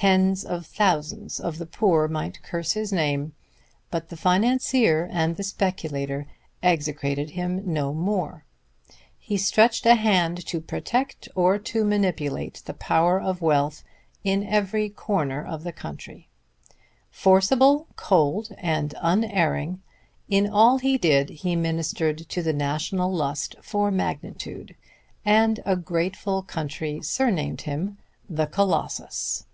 Tens of thousands of the poor might curse his name, but the financier and the speculator execrated him no more. He stretched a hand to protect or to manipulate the power of wealth in every corner of the country. Forcible, cold and unerring, in all he did he ministered to the national lust for magnitude; and a grateful country surnamed him the Colossus.